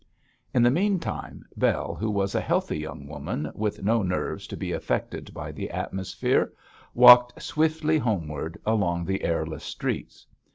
In the meantime, Bell, who was a healthy young woman, with no nerves to be affected by the atmosphere, walked swiftly homeward along the airless streets.